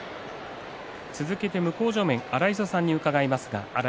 続けて向正面、荒磯さんに伺います。